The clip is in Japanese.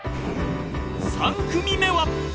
３組目は